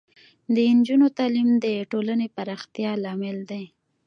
د نجونو تعلیم د ټولنې پراختیا لامل دی.